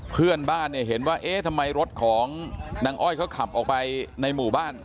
เพื่อนบ้านเนี่ยเห็นว่าเอ๊ะทำไมรถของนางอ้อยเขาขับออกไปในหมู่บ้าน